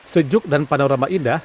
sejuk dan panorama indah